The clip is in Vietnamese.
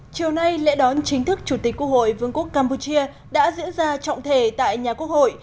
chiều nay lễ đón chính thức chủ tịch quốc hội vương quốc campuchia đã diễn ra trọng thể tại nhà quốc hội